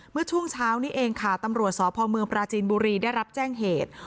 เมื่อช่วงเช้านี้เองค่ะตำรวจสพเมืองปราจีนบุรีได้รับแจ้งเหตุ